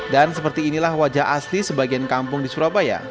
dan seperti inilah wajah asli sebagian kampung di surabaya